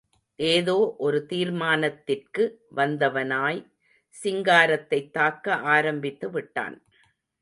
ஏதோ ஒரு தீர்மானத்திற்கு வந்தவனாய், சிங்காரத்தைத் தாக்க ஆரம்பித்து விட்டான்.